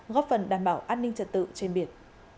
góp phần đảm bảo an ninh trật tự trên biển